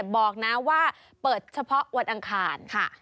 บอกนะว่าเปิดเฉพาะวันอังคารค่ะ